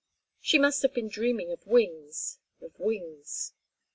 She must have been dreaming of wings, of wings.